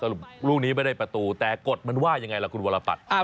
ลูกนี้ไม่ได้ประตูแต่กฎมันว่ายังไงล่ะคุณวรปัตร